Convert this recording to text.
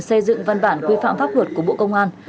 xây dựng văn bản quy phạm pháp luật của bộ công an